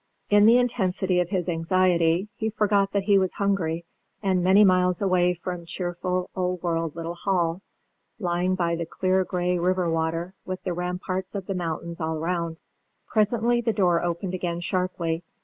In the intensity of his anxiety, he forgot that he was hungry and many miles away from cheerful, Old World little Hall, lying by the clear gray river water, with the ramparts of the mountains all round. Presently the door opened again sharply.